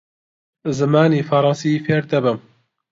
زمانی فەڕەنسی فێر دەبم.